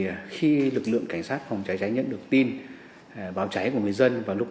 nên dù lực lượng cảnh sát phòng cháy chữa cháy có mặt rất kịp thời